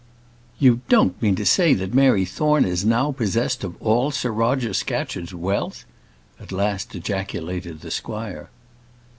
"You don't mean to say that Mary Thorne is now possessed of all Sir Roger Scatcherd's wealth?" at last ejaculated the squire.